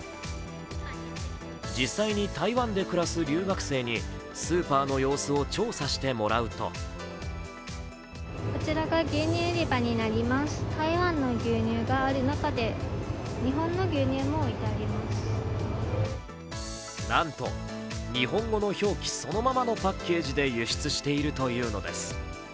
実際に台湾で暮らす留学生にスーパーの様子を調査してもらうとなんと日本語の表記そのままのパッケージで輸出しているというのです。